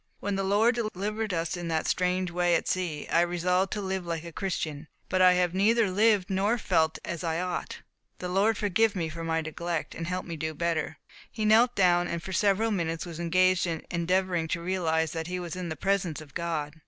When the Lord delivered us in that strange way at sea, I resolved to live like a Christian, but I have neither lived nor felt as I ought. The Lord forgive me for my neglect, and help me to do better." He knelt down, and for several minutes was engaged in endeavouring to realize that he was in the presence of God.